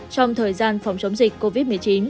trong thời gian phòng chống dịch covid một mươi chín